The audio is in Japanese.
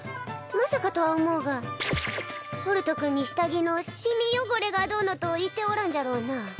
まさかとは思うがホルト君に下着のシミ汚れがどうのと言っておらんじゃろうな？